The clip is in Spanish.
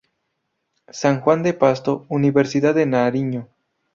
San Juan de Pasto: Universidad de Nariño.